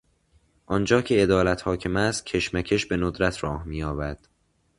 آنجا که عدالت حاکم است کشمکش به ندرت راه می یابد.